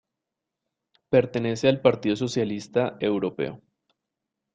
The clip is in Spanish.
Pertenece al Partido Socialista Europeo.